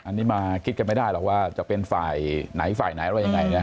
อันนี้มาคิดกันไม่ได้หรอกว่าจะเป็นฝ่ายไหนฝ่ายไหนอะไรยังไงนะ